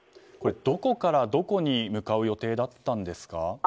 どこからどこに向かう予定だったんですか？